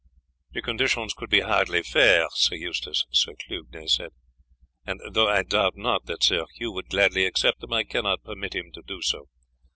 "The conditions would be hardly fair, Sir Eustace," Sir Clugnet said; "and though I doubt not that Sir Hugh would gladly accept them, I cannot permit him to do so.